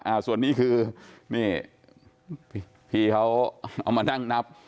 อ่าส่วนนี้คือพี่เขาออกมานั่งนับ